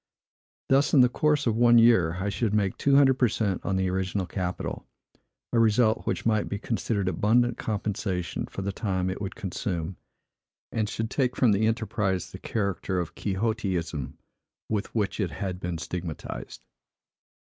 Thus, in the course of one year, I should make two hundred per cent on the original capital; a result which might be considered abundant compensation for the time it would consume, and should take from the enterprise the character of quixotism, with which it had been stigmatized.